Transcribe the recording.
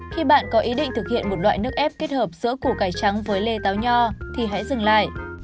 khi bạn có ý định thực hiện một loại nước ép kết hợp giữa củ cải trắng với lê táo nho thì hãy dừng lại